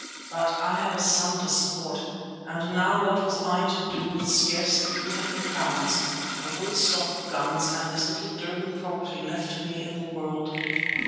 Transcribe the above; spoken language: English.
But I had a son to support, and now what was I to do with scarcely three hundred pounds, a good stock of guns and this little Durban property left to me in the world?